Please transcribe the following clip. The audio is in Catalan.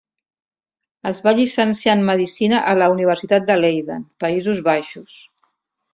Es va llicenciar en Medicina a la Universitat de Leiden (Països Baixos).